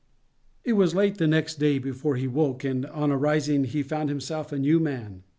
It was late next day before he woke, and on rising he found himself a new man.